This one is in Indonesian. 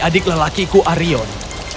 adik lelakiku arion